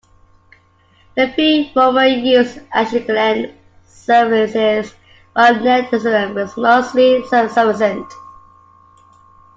The three former used Ashkelon services while Netzarim was mostly self-sufficient.